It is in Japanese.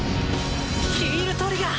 ヒールトリガー！